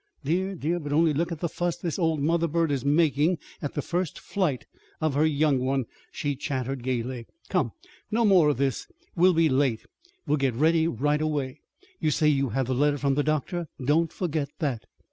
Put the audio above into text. "Dear, dear, but only look at the fuss this old mother bird is making at the first flight of her young one!" she chattered gayly. "Come, no more of this! We'll be late. We'll get ready right away. You say you have the letter from the doctor. Don't forget that."